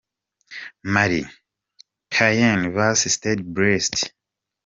Mar, Caen vs Stade Brest .